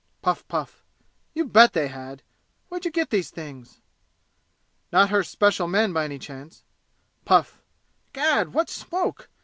Puff puff "You bet they had! Where d'you get these things?" "Not her special men by any chance?" Puff "Gad, what smoke!